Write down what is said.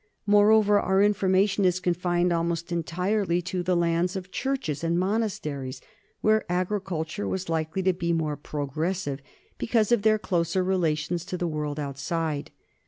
Moreover our information is confined almost entirely to the lands of churches and monasteries, where agriculture was likely to be more progressive because of their closer relations to the world outside.